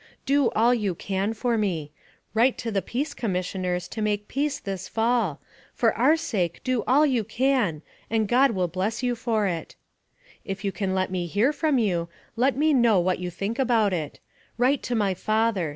" Do all you can for me. Write to the Peace Com 248 NARRATIVE OF CAPTIVITY missioners to make peace this fall. For our sake do all you can, and God will bless you for it! " If you can let me hear from you, let me know what you think about it. Write to my father.